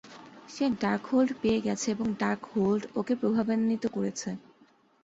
সে Darkhold পেয়ে গেছে এবং ডার্কহোল্ড ওকে প্রভাবান্বিত করছে।